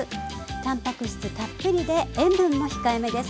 タンパク質たっぷりで塩分も控えめです。